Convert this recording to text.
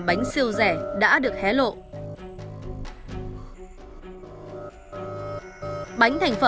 bánh này giữ được lâu không ạ